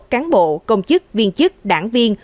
cáng bộ công chức viên chức đảng viên